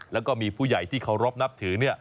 แล้วก็มีผู้ใหญ่ที่เคารพนับถือ